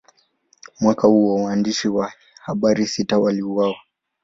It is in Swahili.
Mwaka huo, waandishi wa habari sita waliuawa.